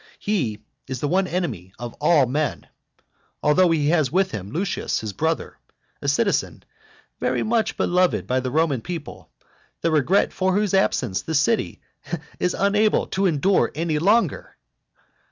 He is the one enemy of all men. Although he has with him Lucius his brother, a citizen very much beloved by the Roman people, the regret for whose absence the city is unable to endure any longer!